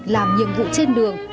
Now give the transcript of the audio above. làm nhiệm vụ trên đường